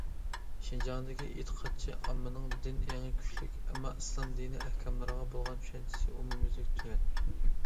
شىنجاڭدىكى ئېتىقادچى ئاممىنىڭ دىن ئېڭى كۈچلۈك، ئەمما ئىسلام دىنى ئەھكاملىرىغا بولغان چۈشەنچىسى ئومۇميۈزلۈك تۆۋەن.